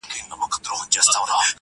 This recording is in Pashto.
نه ،نه محبوبي زما.